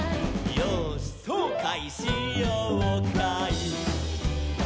「よーしそうかいしようかい」